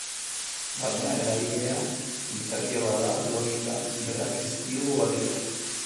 Baina eragilea gizakia bada logika berak ez digu balio.